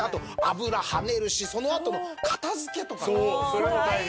それも大変。